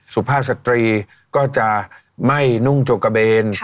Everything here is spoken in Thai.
สุภาพสตรีก็จะไม่นุ่งโจกเกบียน